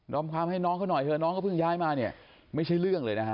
อมความให้น้องเขาหน่อยเถอะน้องเขาเพิ่งย้ายมาเนี่ยไม่ใช่เรื่องเลยนะฮะ